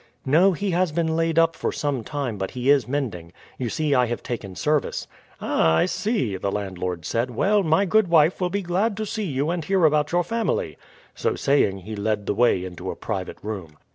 "No; he has been laid up for some time, but he is mending. You see I have taken service." "Ah, I see," the landlord said. "Well, my good wife will be glad to see you and hear about your family." So saying he led the way into a private room.